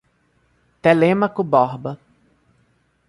Telêmaco Borba